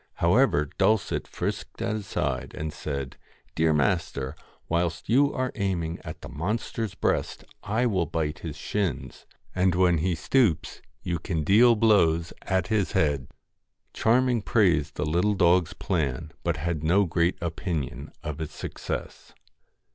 However, Dulcet frisked at his side, and said 'Dear master, whilst you are aiming at the monster's breast I will bite his shins, and when he stoops you can deal blows at his head.' Charming praised the little dog's plan, but had no great opinion of its success.